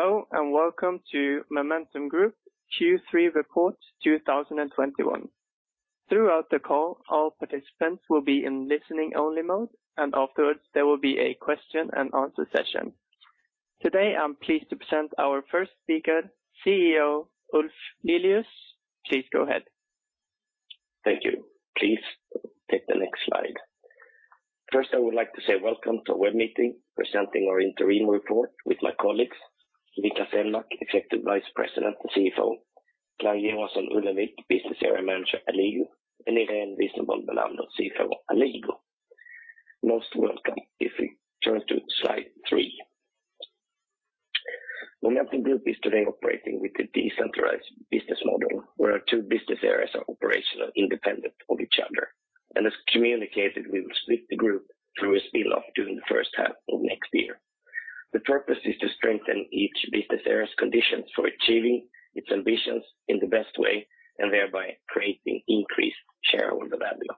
Hello, and welcome to Alligo Q3 2021 Report. Throughout the call, all participants will be in listening only mode, and afterwards, there will be a question and answer session. Today, I'm pleased to present our first speaker, CEO Ulf Lilius. Please go ahead. Thank you. Please take the next slide. First, I would like to say welcome to web meeting presenting our interim report with my colleagues, Niklas Enmark, Executive Vice President and CFO. Clein Johansson Ullenvik, Business Area Manager, Alligo, and Irene Wisenborn Bellander, CFO, Alligo. Most welcome. If we turn to slide three. Momentum Group is today operating with the decentralized business model, where our two business areas are operationally independent of each other. As communicated, we will split the group through a spin-off during the first half of next year. The purpose is to strengthen each business area's conditions for achieving its ambitions in the best way, and thereby creating increased shareholder value.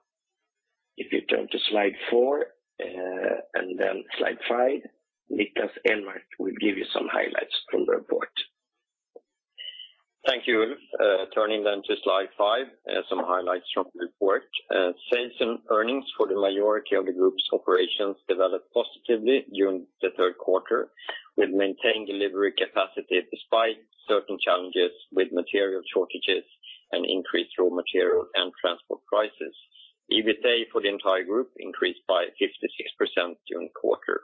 If you turn to slide four, and then slide five, Niklas Enmark will give you some highlights from the report. Thank you, Ulf. Turning then to slide five, some highlights from the report. Sales and earnings for the majority of the group's operations developed positively during the third quarter. We've maintained delivery capacity despite certain challenges with material shortages and increased raw material and transport prices. EBITDA for the entire group increased by 56% during the quarter.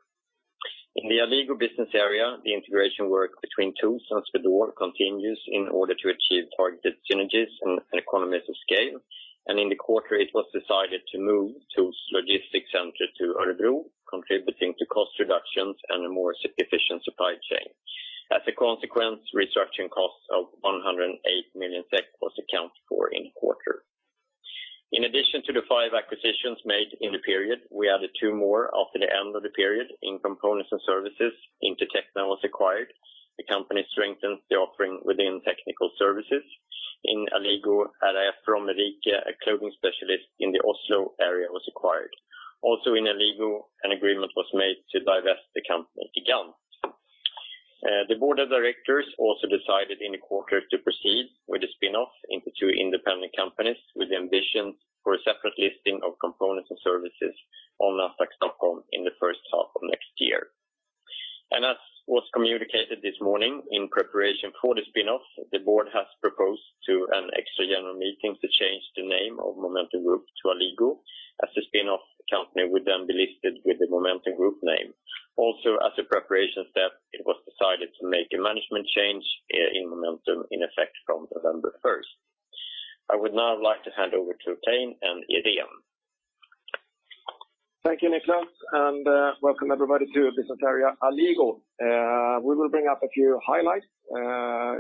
In the Alligo business area, the integration work between TOOLS and Swedol continues in order to achieve targeted synergies and economies of scale. In the quarter, it was decided to move TOOLS logistics center to Örebro, contributing to cost reductions and a more efficient supply chain. As a consequence, restructuring costs of 108 million SEK was accounted for in quarter. In addition to the five acquisitions made in the period, we added two more after the end of the period in Components & Services. Intertechna was acquired. The company strengthens the offering within technical services. In Alligo, RAF Romerike, a clothing specialist in the Oslo area was acquired. Also in Alligo, an agreement was made to divest the company Gigant. The board of directors also decided in the quarter to proceed with the spin-off into two independent companies with the ambition for a separate listing of Components & Services on Nasdaq Stockholm in the first half of next year. As was communicated this morning in preparation for the spin-off, the board has proposed to an extra general meeting to change the name of Momentum Group to Alligo, as the spin-off company would then be listed with the Momentum Group name. Also, as a preparation step, it was decided to make a management change in Momentum in effect from November first. I would now like to hand over to Clein and Iréne. Thank you, Niklas, and welcome everybody to business area Alligo. We will bring up a few highlights.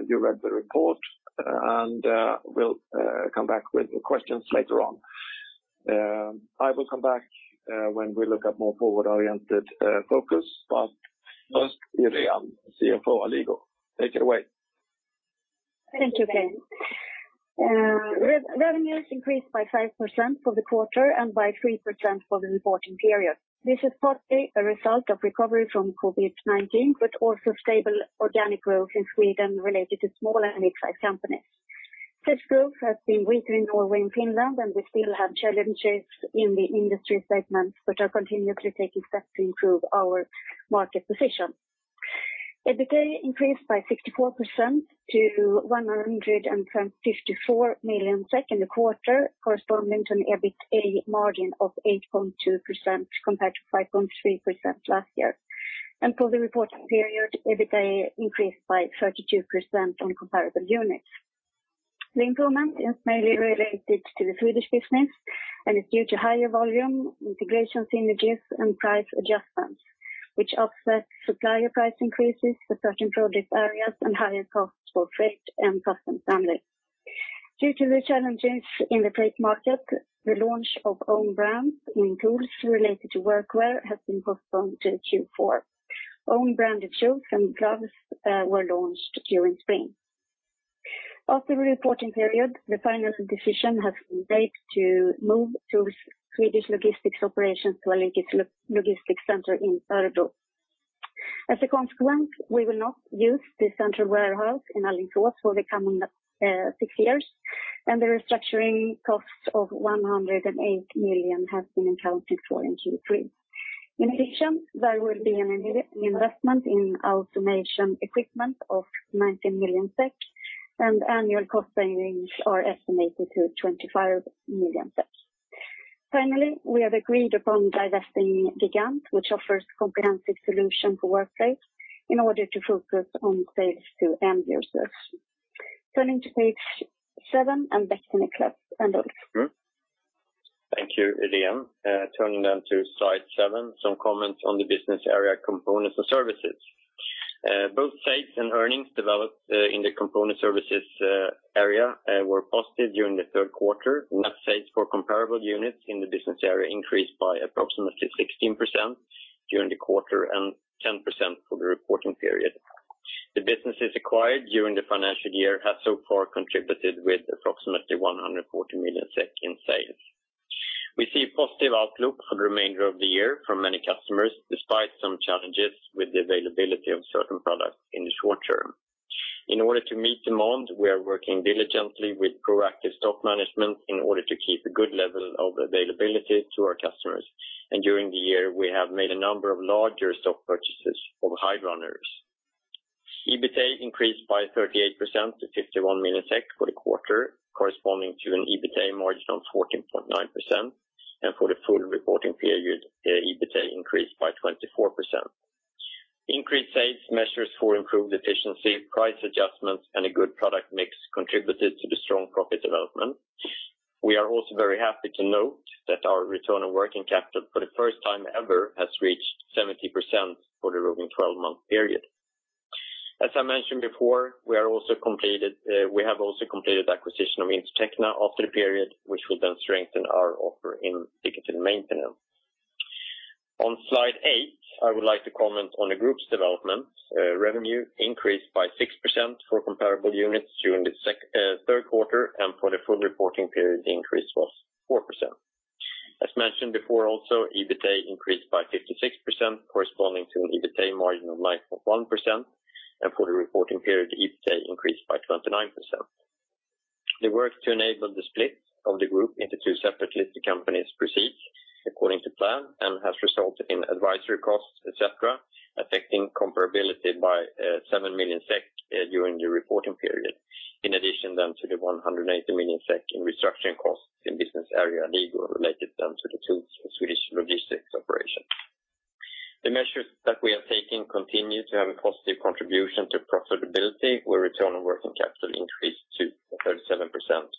You read the report, and we'll come back with questions later on. I will come back when we look at more forward-oriented focus. First, Iréne, CFO, Alligo, take it away. Thank you, Clein. Revenues increased by 5% for the quarter and by 3% for the reporting period. This is partly a result of recovery from COVID-19, but also stable organic growth in Sweden related to small and mid-sized companies. This growth has been weaker in Norway and Finland, and we still have challenges in the industry segments, but are continuously taking steps to improve our market position. EBITDA increased by 64% to 154 million SEK in the quarter, corresponding to an EBITDA margin of 8.2% compared to 5.3% last year. For the reporting period, EBITDA increased by 32% on comparable units. The improvement is mainly related to the Swedish business and is due to higher volume, integration synergies, and price adjustments, which offset supplier price increases for certain product areas and higher costs for freight and customs and duties. Due to the challenges in the freight market, the launch of own brands in Tools related to workwear has been postponed to Q4. Own branded shoes and gloves were launched during spring. After the reporting period, the final decision has been made to move Tools Swedish logistics operations to a logistics center in Örebro. As a consequence, we will not use the central warehouse in Alingsås for the coming six years, and the restructuring costs of 108 million have been accounted for in Q3. In addition, there will be an investment in automation equipment of 90 million SEK, and annual cost savings are estimated to 25 million SEK. Finally, we have agreed upon divesting Gigant, which offers comprehensive solutions for workplaces in order to focus on sales to end users. Turning to page seven, back to Niklas and Ulf. Thank you, Iréne. Turning to slide seven, some comments on the business area Components and Services. Both sales and earnings developed in the Components and Services area were positive during the third quarter. Net sales for comparable units in the business area increased by approximately 16% during the quarter and 10% for the reporting period. The businesses acquired during the financial year have so far contributed with approximately 140 million SEK in sales. We see a positive outlook for the remainder of the year from many customers, despite some challenges with the availability of certain products in the short term. In order to meet demand, we are working diligently with proactive stock management in order to keep a good level of availability to our customers. During the year, we have made a number of larger stock purchases of hydraulic hoses. EBITA increased by 38% to 51 million SEK for the quarter, corresponding to an EBITA margin of 14.9%. For the full reporting period, the EBITA increased by 24%. Increased sales measures for improved efficiency, price adjustments, and a good product mix contributed to the strong profit development. We are also very happy to note that our return on working capital for the first time ever has reached 70% for the rolling 12-month period. As I mentioned before, we have also completed the acquisition of Intertechna after the period, which will then strengthen our offer in technical maintenance. On slide eight, I would like to comment on the group's development. Revenue increased by 6% for comparable units during the third quarter, and for the full reporting period, the increase was 4%. As mentioned before also, EBITA increased by 56%, corresponding to an EBITA margin of 9.1%. For the reporting period, EBITA increased by 29%. The work to enable the split of the group into two separate listed companies proceeds according to plan and has resulted in advisory costs, etc., affecting comparability by 7 million SEK during the reporting period in addition to 180 million SEK in restructuring costs in business area Alligo related to the TOOLS Swedish logistics operation. The measures that we are taking continue to have a positive contribution to profitability, where return on working capital increased to 37%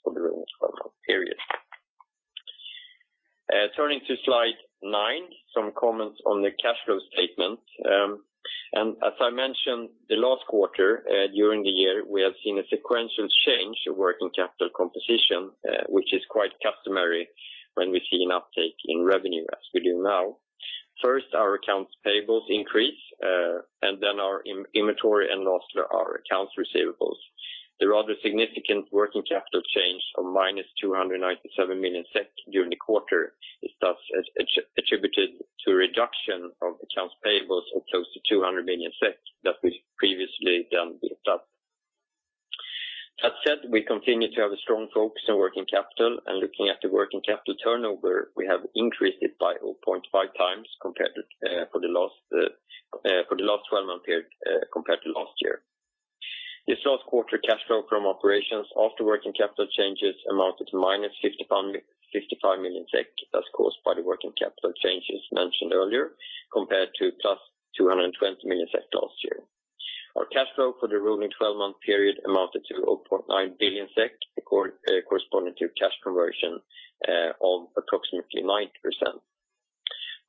for the rolling 12-month period. Turning to slide nine, some comments on the cash flow statement. As I mentioned the last quarter, during the year, we have seen a sequential change of working capital composition, which is quite customary when we see an uptake in revenue as we do now. First, our accounts payables increase, and then our inventory and last our accounts receivables. The rather significant working capital change of -297 million SEK during the quarter is thus attributed to a reduction of accounts payables of close to 200 million SEK that we previously had built up. As said, we continue to have a strong focus on working capital, and looking at the working capital turnover, we have increased it by 0.5x compared to for the last 12-month period compared to last year. This last quarter cash flow from operations after working capital changes amounted to -55 million SEK. That's caused by the working capital changes mentioned earlier, compared to +220 million SEK last year. Our cash flow for the rolling 12-month period amounted to 0.9 billion SEK, corresponding to cash conversion of approximately 9%.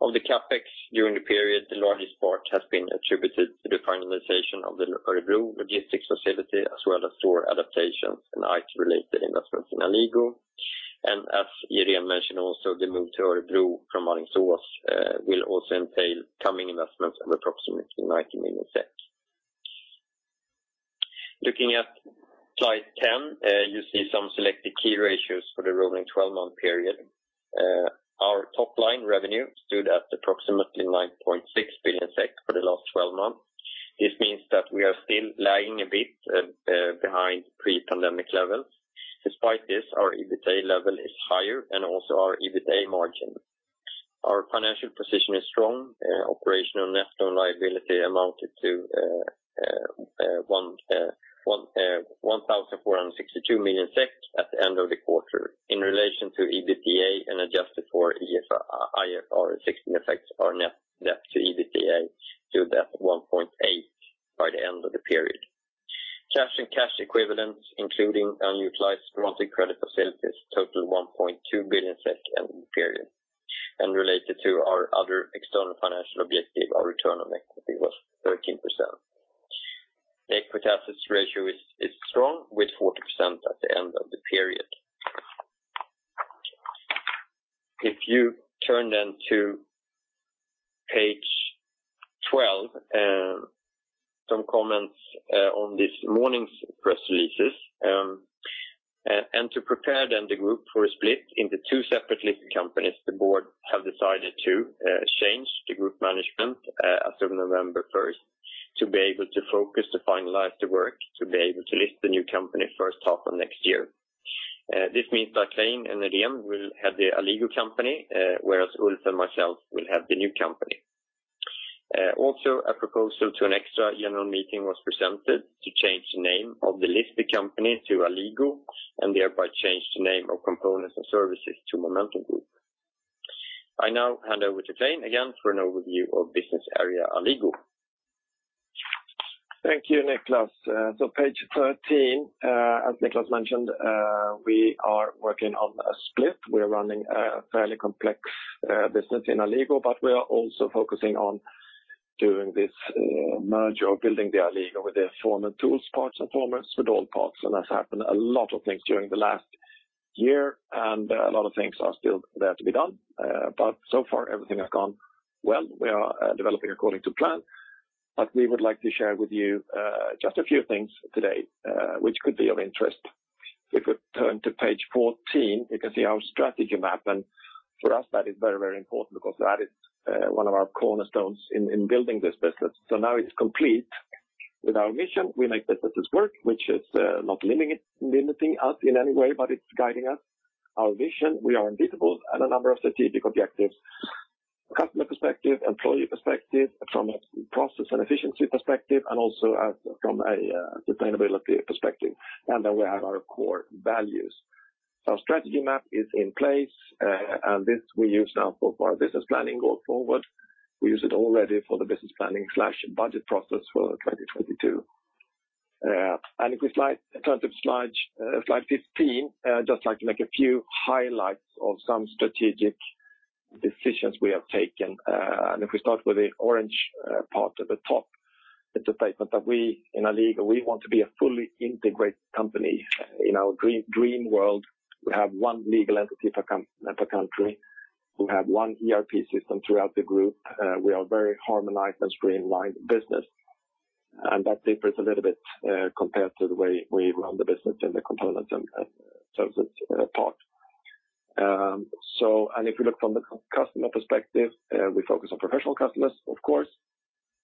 Of the CapEx during the period, the largest part has been attributed to the finalization of the Örebro logistics facility as well as store adaptations and IT-related investments in Alligo. As Iréne mentioned also, the move to Örebro from Alingsås will also entail coming investments of approximately 90 million. Looking at slide 10, you see some selected key ratios for the rolling 12-month period. Our top line revenue stood at approximately 9.6 billion SEK for the last 12 month. This means that we are still lagging a bit behind pre-pandemic levels. Despite this, our EBITA level is higher and also our EBITA margin. Our financial position is strong. Operational net debt liability amounted to 1,462 million SEK at the end of the quarter. In relation to EBITDA and adjusted for IFRS 16 effects, our net debt to EBITDA stood at 1.8 by the end of the period. Cash and cash equivalents, including unutilized granted credit facilities, totaled 1.2 billion SEK end of the period. Related to our other external financial objective, our return on equity was 13%. Net debt to assets ratio is strong with 40% at the end of the period. If you turn then to page 12, some comments on this morning's press releases. To prepare then the group for a split into two separate listed companies, the board have decided to change the group management as of November 1, to be able to focus to finalize the work, to be able to list the new company first half of next year. This means that Clein and Iréne will have the Alligo company, whereas Ulf and myself will have the new company. Also a proposal to an extra general meeting was presented to change the name of the listed company to Alligo and thereby change the name of Components & Services to Momentum Group. I now hand over to Clein again for an overview of business area Alligo. Thank you, Niklas. Page 13, as Niklas mentioned, we are working on a split. We are running a fairly complex business in Alligo, but we are also focusing on doing this merger or building the Alligo with the former TOOLS parts and former Swedol parts. That's happened a lot of things during the last year, and a lot of things are still there to be done. So far everything has gone well. We are developing according to plan. We would like to share with you just a few things today, which could be of interest. If we turn to page 14, you can see our strategy map. For us that is very, very important because that is one of our cornerstones in building this business. Now it's complete with our mission. We make businesses work, which is not limiting us in any way, but it's guiding us. Our vision, we are invaluable at a number of strategic objectives, customer perspective, employee perspective, from a process and efficiency perspective, and also from a sustainability perspective. Then we have our core values. Our strategy map is in place, and this we use now for our business planning going forward. We use it already for the business planning/budget process for 2022. If we turn to slide 15, just like to make a few highlights of some strategic decisions we have taken. If we start with the orange part at the top, it's a statement that we in Alligo want to be a fully integrated company. In our dream world, we have one legal entity per country. We have one ERP system throughout the group. We are very harmonized and streamlined business, and that differs a little bit compared to the way we run the business in the Components and Services part. If you look from the customer perspective, we focus on professional customers of course.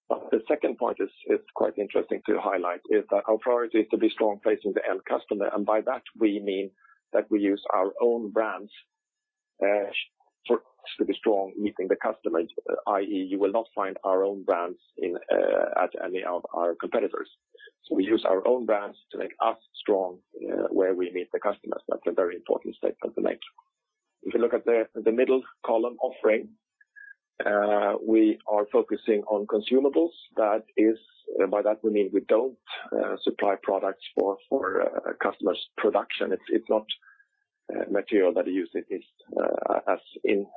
The second point is quite interesting to highlight, is that our priority is to be strong facing the end customer. By that we mean that we use our own brands to be strong meeting the customers, i.e. you will not find our own brands in at any of our competitors. We use our own brands to make us strong where we meet the customers. That's a very important statement to make. If you look at the middle column offering, we are focusing on consumables. That is. By that we mean we don't supply products for a customer's production. It's not material that you use it, is as in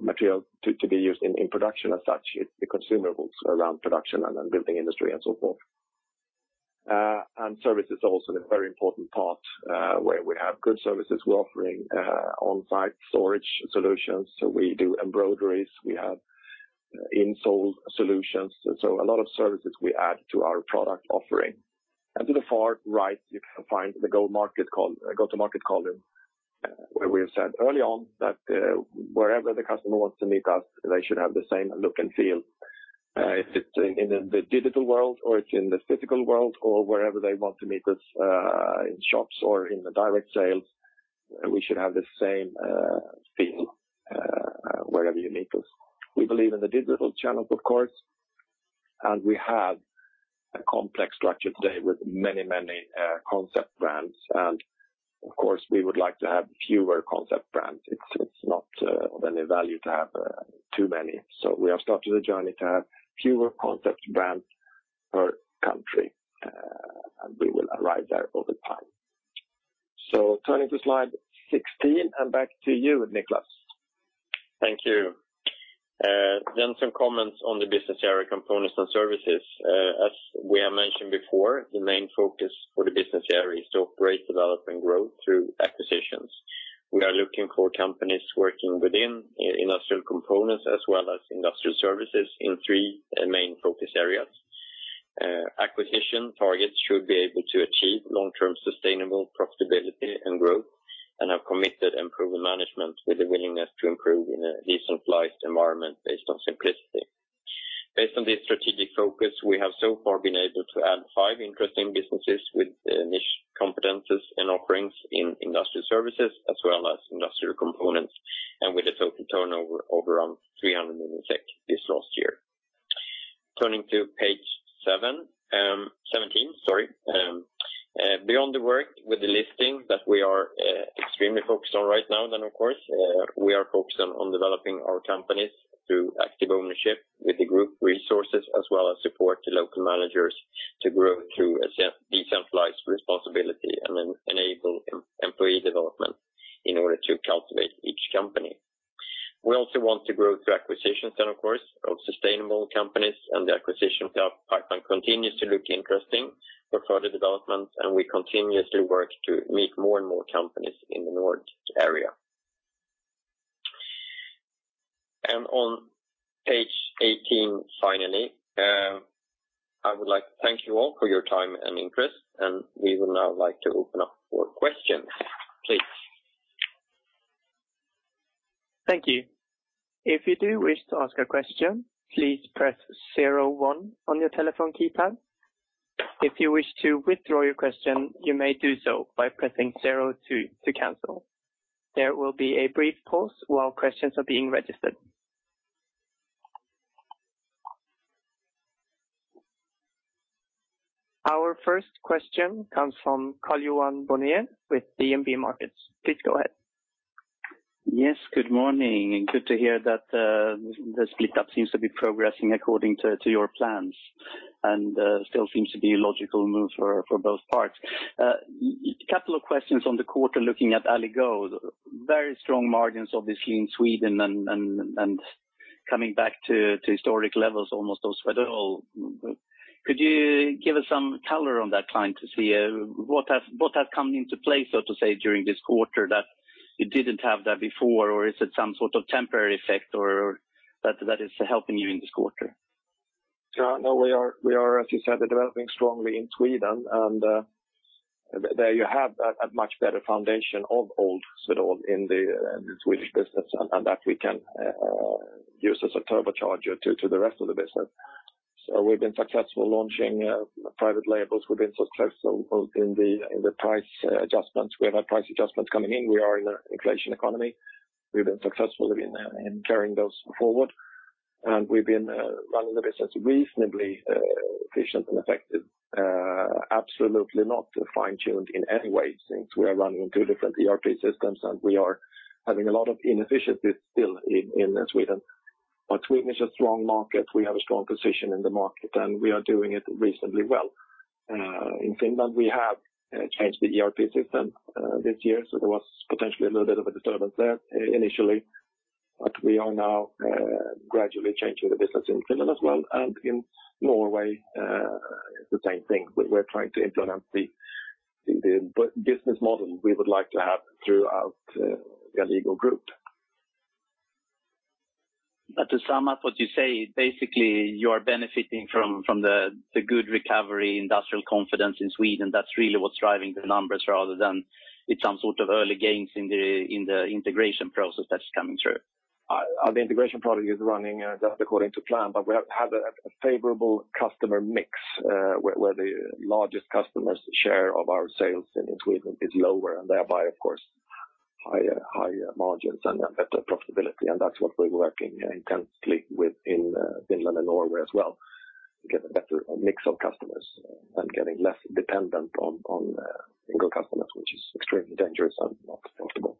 material to be used in production as such. It's the consumables around production and then building industry and so forth. Service is also a very important part, where we have good services. We're offering on-site storage solutions. So we do embroideries, we have insole solutions. So a lot of services we add to our product offering. To the far right, you can find the go-to-market column, where we have said early on that, wherever the customer wants to meet us, they should have the same look and feel. If it's in the digital world or it's in the physical world or wherever they want to meet us, in shops or in the direct sales, we should have the same feel, wherever you meet us. We believe in the digital channels of course, and we have a complex structure today with many concept brands. Of course, we would like to have fewer concept brands. It's not of any value to have too many. We have started a journey to have fewer concept brands per country, and we will arrive there over time. Turning to slide 16 and back to you, Niklas. Thank you. Some comments on the business area Components & Services. As we have mentioned before, the main focus for the business area is to operate, develop, and grow through acquisitions. We are looking for companies working within industrial components as well as industrial services in three main focus areas. Acquisition targets should be able to achieve long-term sustainable profitability and growth, and have committed and proven management with the willingness to improve in a decentralized environment based on simplicity. Based on this strategic focus, we have so far been able to add five interesting businesses with niche competencies and offerings in industrial services as well as industrial components, and with a total turnover over 300 million SEK this last year. Turning to page 17, sorry. Beyond the work with the listing that we are extremely focused on right now, then of course, we are focused on developing our companies through active ownership with the group resources as well as support to local managers to grow through a decentralized responsibility and then enable employee development in order to cultivate each company. We also want to grow through acquisitions, then of course, of sustainable companies and the acquisition pipeline continues to look interesting for further development, and we continuously work to meet more and more companies in the Nordic area. On page 18, finally, I would like to thank you all for your time and interest, and we would now like to open up for questions. Please. Thank you. If you do wish to ask a question, please press zero one on your telephone keypad. If you wish to withdraw your question, you may do so by pressing zero two to cancel. There will be a brief pause while questions are being registered. Our first question comes from Karl-Johan Bonnevier with DNB Markets. Please go ahead. Yes, good morning. Good to hear that the split up seems to be progressing according to your plans and still seems to be a logical move for both parts. A couple of questions on the quarter looking at Alligo. Very strong margins obviously in Sweden and coming back to historic levels almost of Sweden. Could you give us some color on that like, to see what has come into play, so to say, during this quarter that you didn't have that before or is it some sort of temporary effect or that is helping you in this quarter? Yeah, no, we are as you said, developing strongly in Sweden and there you have a much better foundation of old Swedol in the Swedish business and that we can use as a turbocharger to the rest of the business. We've been successful launching private labels. We've been successful both in the price adjustments. We have had price adjustments coming in. We are in an inflation economy. We've been successful in carrying those forward, and we've been running the business reasonably efficient and effective. Absolutely not fine-tuned in any way since we are running two different ERP systems, and we are having a lot of inefficiencies still in Sweden. Sweden is a strong market. We have a strong position in the market, and we are doing it reasonably well. In Finland, we have changed the ERP system this year, so there was potentially a little bit of a disturbance there initially, but we are now gradually changing the business in Finland as well, and in Norway, the same thing. We're trying to implement the business model we would like to have throughout the Alligo group. To sum up what you say, basically, you are benefiting from the good recovery, industrial confidence in Sweden. That's really what's driving the numbers rather than it's some sort of early gains in the integration process that's coming through. The integration project is running just according to plan, but we have had a favorable customer mix, where the largest customers share of our sales in Sweden is lower and thereby of course, higher margins and better profitability. That's what we're working intensely with in Finland and Norway as well, get a better mix of customers and getting less dependent on single customers, which is extremely dangerous and not comfortable.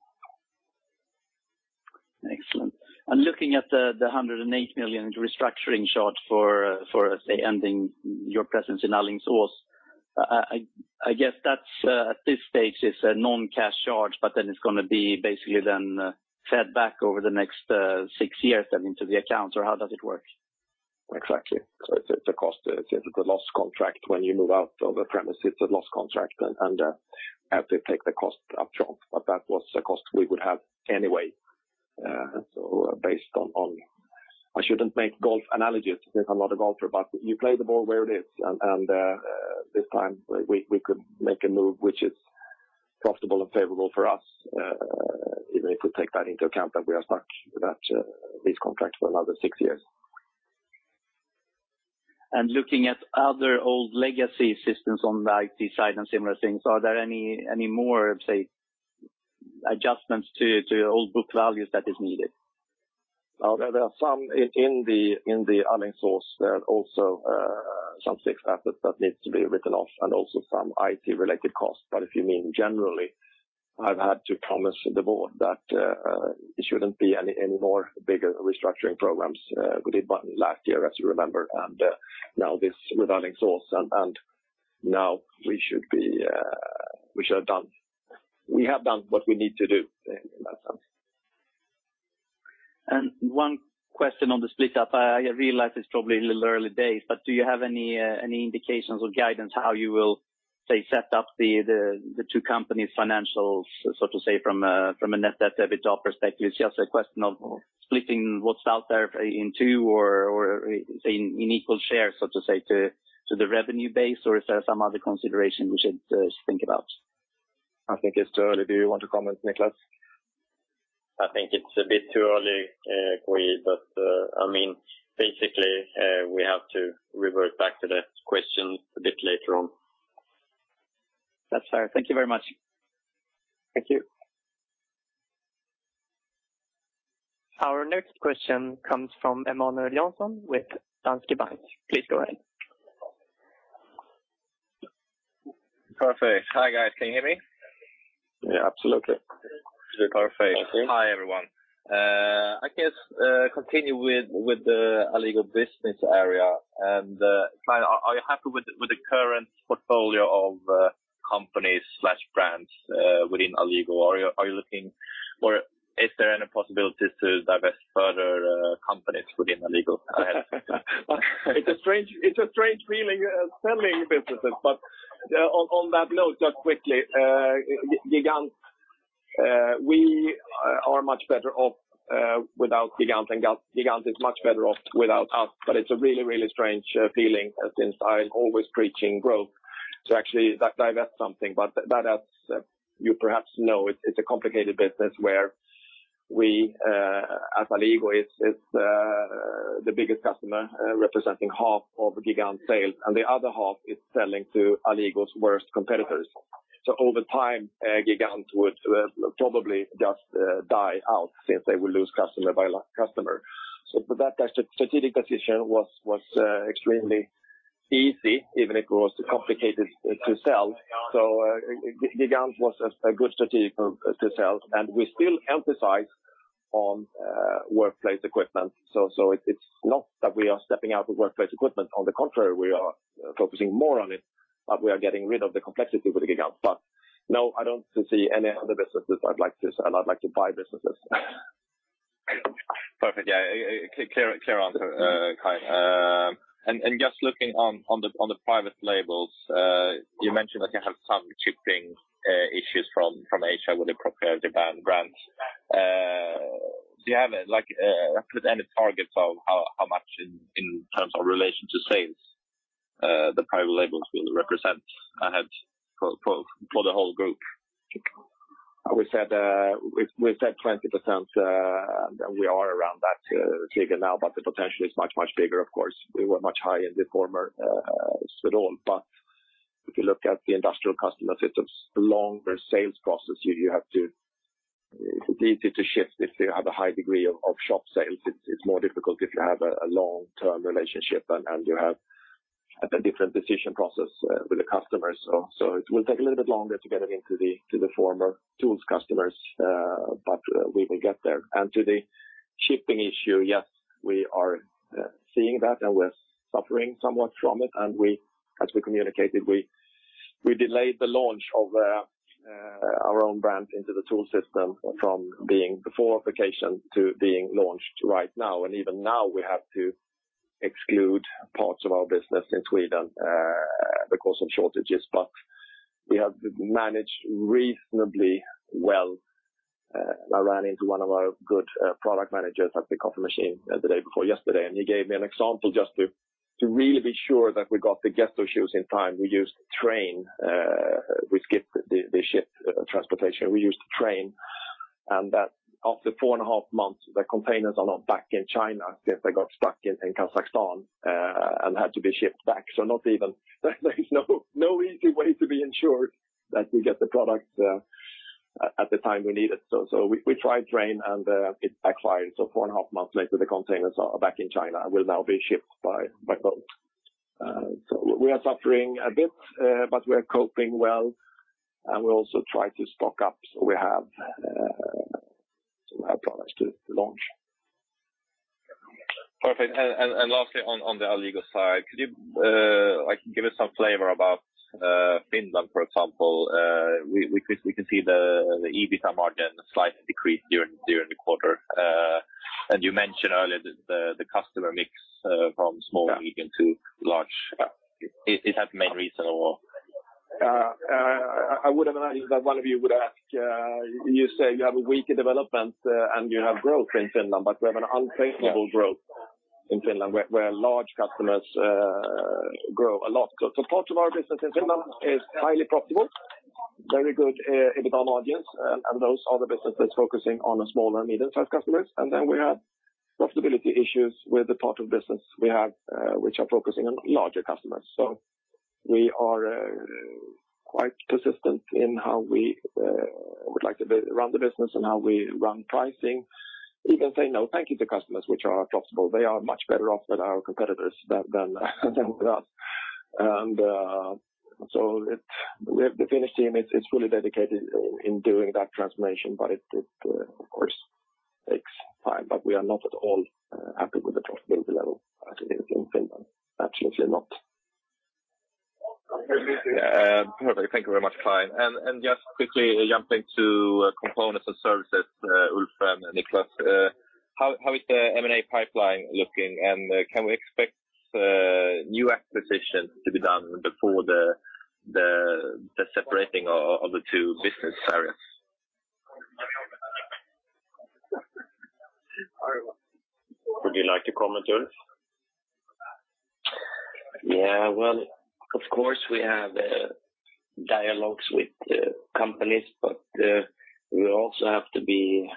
Excellent. Looking at the 108 million restructuring charge for, say, ending your presence in Alingsås, I guess that's at this stage a non-cash charge, but then it's going to be basically then fed back over the next six years into the accounts, or how does it work? Exactly. It's a cost. It's a loss contract. When you move out of a premises, it's a loss contract, and have to take the cost upfront. That was a cost we would have anyway. Based on, I shouldn't make golf analogies since I'm not a golfer, but you play the ball where it is. This time we could make a move which is profitable and favorable for us, even if we take that into account that we are stuck with that lease contract for another six years. Looking at other old legacy systems on the IT side and similar things, are there any more, say, adjustments to old book values that is needed? There are some in the Alingsås. There are also some fixed assets that needs to be written off and also some IT-related costs. But if you mean generally, I've had to promise the board that it shouldn't be any more bigger restructuring programs. We did one last year, as you remember, and now this with Alingsås and now we should have done what we need to do in that sense. One question on the split up. I realize it's probably a little early days, but do you have any indications or guidance how you will, say, set up the two companies financials, so to say, from a net debt EBITDA perspective? It's just a question of splitting what's out there in two or say in equal shares, so to say, to the revenue base, or is there some other consideration we should think about? I think it's too early. Do you want to comment, Niklas? I think it's a bit too early for you. I mean, basically, we have to revert back to that question a bit later on. That's fair. Thank you very much. Thank you. Our next question comes from Emanuel Jansson with Danske Bank. Please go ahead. Perfect. Hi, guys. Can you hear me? Yeah, absolutely. Perfect. Thank you. Hi, everyone. I guess, continue with the Alligo business area. Are you happy with the current portfolio of companies/brands within Alligo? Are you looking or is there any possibility to divest further companies within Alligo? It's a strange feeling selling businesses. On that note, just quickly, Gigant, we are much better off without Gigant, and Gigant is much better off without us. It's a really strange feeling since I'm always preaching growth to actually divest something. That as you perhaps know, it's a complicated business where we as Alligo is the biggest customer representing half of Gigant sales, and the other half is selling to Alligo's worst competitors. Over time, Gigant would probably just die out since they will lose customer by customer. For that, the strategic decision was extremely easy, even if it was complicated to sell. Gigant was a good strategic to sell. We still emphasize on workplace equipment. It's not that we are stepping out of workplace equipment. On the contrary, we are focusing more on it, but we are getting rid of the complexity with Gigant. No, I don't see any other businesses I'd like to sell. I'd like to buy businesses. Perfect. Yeah. clear answer, Clein. Just looking on the private labels, you mentioned that you have some shipping issues from Asia with the private label brands. Do you have, like, any targets of how much in terms of relation to sales, the private labels will represent ahead for the whole group? We said 20%, and we are around that figure now, but the potential is much, much bigger, of course. We were much higher in the former Swedol. If you look at the industrial customer systems, the longer sales process, you have to. It's easy to shift if they have a high degree of shop sales. It's more difficult if you have a long-term relationship and you have a different decision process with the customers. It will take a little bit longer to get them into the former Tools customers, but we will get there. To the shipping issue, yes, we are seeing that and we're suffering somewhat from it. As we communicated, we delayed the launch of our own brand into the TOOLS system from being before vacation to being launched right now. Even now we have to exclude parts of our business in Sweden because of shortages. We have managed reasonably well. I ran into one of our good product managers at the coffee machine the day before yesterday, and he gave me an example just to really be sure that we got the Jalas shoes in time. We skipped the ship transportation. We used train, and that after 4.5 months, the containers are not back in China since they got stuck in Kazakhstan and had to be shipped back. Not even. There is no easy way to be ensured that we get the product at the time we need it. We tried by train, and it backfired. 4.5 months later, the containers are back in China and will now be shipped by boat. We are suffering a bit, but we are coping well, and we also try to stock up, so we have some products to launch. Perfect. Lastly, on the Alligo side, could you like give us some flavor about Finland, for example? We can see the EBITDA margin slightly decreased during the quarter. You mentioned earlier that the customer mix from small and medium to large, is that the main reason or? I would imagine that one of you would ask. You say you have a weaker development, and you have growth in Finland, but we have an unsustainable growth in Finland where large customers grow a lot. Part of our business in Finland is highly profitable, very good EBITDA margins, and those are the businesses focusing on the small and medium-sized customers. We have profitability issues with the part of business we have which are focusing on larger customers. We are quite consistent in how we would like to run the business and how we run pricing. We can say no thank you to customers which are not profitable. They are much better off with our competitors than with us. We have the Finnish team is fully dedicated in doing that transformation, but it of course takes time. We are not at all happy with the profitability level as it is in Finland. Absolutely not. Yeah. Perfect. Thank you very much, Clein. Just quickly jumping to Components & Services, Ulf and Niklas, how is the M&A pipeline looking? Can we expect new acquisitions to be done before the separating of the two business areas? Would you like to comment, Ulf? Yeah. Well, of course, we have dialogues with companies, but we also have to be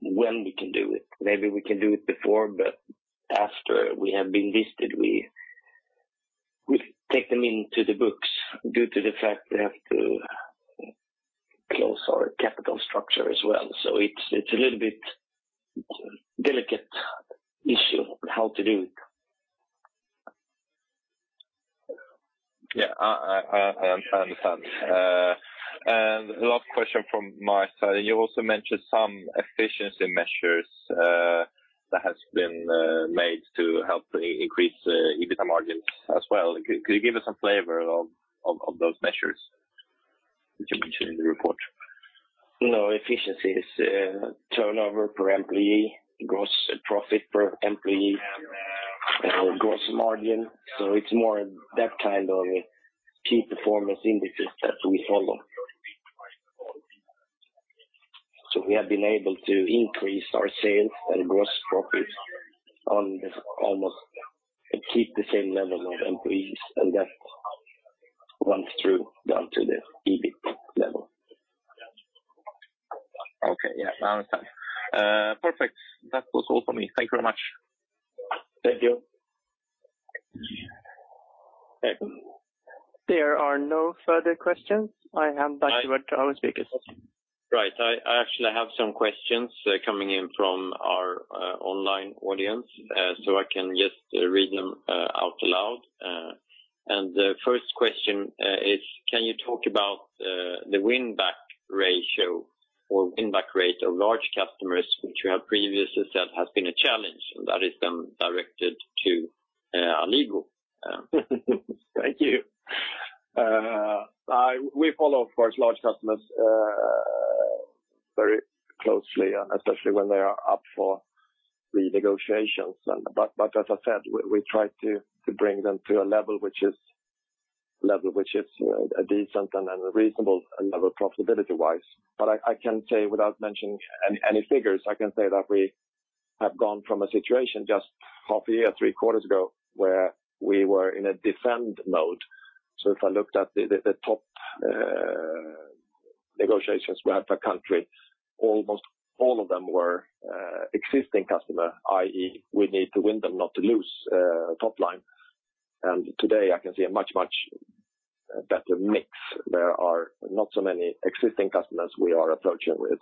when we can do it. Maybe we can do it before, but after we have been listed, we take them into the books due to the fact we have to close our capital structure as well. It's a little bit delicate issue how to do it. Yeah. I understand. Last question from my side. You also mentioned some efficiency measures that has been made to help increase the EBITDA margins as well. Could you give us some flavor of those measures that you mentioned in the report? No. Efficiency is, turnover per employee, gross profit per employee, gross margin. It's more that kind of key performance indices that we follow. We have been able to increase our sales and gross profits on this, almost achieve the same level of employees, and that runs through down to the EBIT level. Okay. Yeah. I understand. Perfect. That was all for me. Thank you very much. Thank you. Thank you. There are no further questions. I hand back to our speakers. Right. I actually have some questions coming in from our online audience. I can just read them out loud. The first question is can you talk about the win back ratio or win back rate of large customers which you have previously said has been a challenge, and that has been directed to Alligo. Thank you. We follow, of course, large customers very closely, especially when they are up for renegotiations. As I said, we try to bring them to a level which is a decent and reasonable level profitability-wise. I can say without mentioning any figures, I can say that we have gone from a situation just half a year, three quarters ago, where we were in a defend mode. If I looked at the top negotiations we have per country, almost all of them were existing customer, i.e., we need to win them not to lose top line. Today, I can see a much better mix. There are not so many existing customers we are approaching with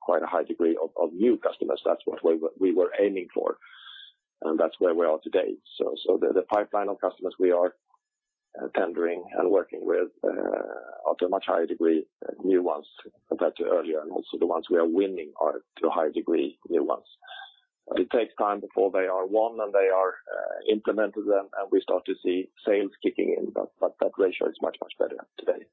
quite a high degree of new customers. That's what we were aiming for, and that's where we are today. The pipeline of customers we are tendering and working with of a much higher degree new ones than earlier, and also the ones we are winning are to a higher degree new ones. It takes time before they are won, and they are implemented then, and we start to see sales kicking in, but that ratio is much, much better today.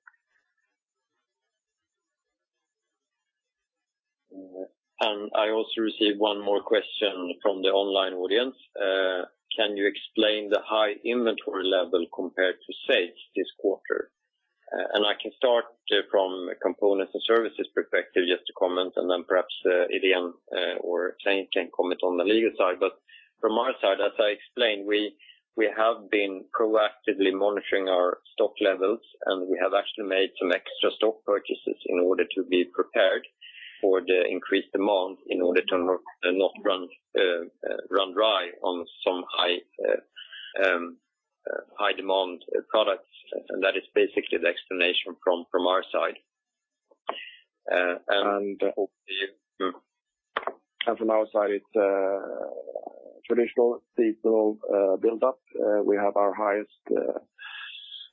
I also received one more question from the online audience. Can you explain the high inventory level compared to same this quarter? I can start from a Components & Services perspective just to comment, and then perhaps Irene or Shane can comment on the Alligo side. From our side, as I explained, we have been proactively monitoring our stock levels, and we have actually made some extra stock purchases in order to be prepared for the increased demand in order to not run dry on some high demand products. That is basically the explanation from our side. From our side, it's traditional seasonal build-up. We have our highest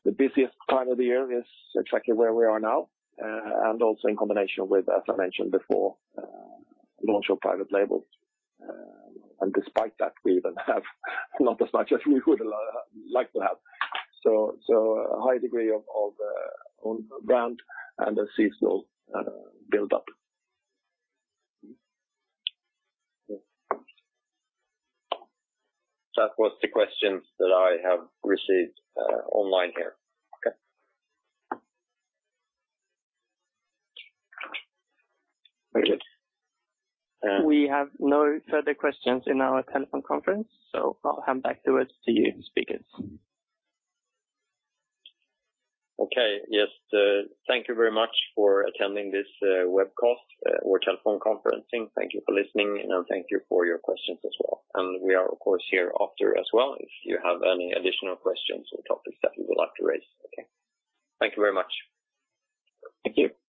the busiest time of the year is exactly where we are now, and also in combination with, as I mentioned before, launch of private label. Despite that, we even have not as much as we would like to have. So a high degree of on brand and a seasonal build-up. That was the questions that I have received online here. Okay. Very good. We have no further questions in our telephone conference, so I'll hand it back over to the speakers. Okay. Yes. Thank you very much for attending this webcast or telephone conferencing. Thank you for listening, and thank you for your questions as well. We are of course here after as well, if you have any additional questions or topics that you would like to raise. Okay. Thank you very much. Thank you.